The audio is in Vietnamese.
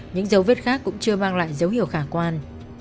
những dấu vết khác cũng chưa mang lại dấu hiệu khả quan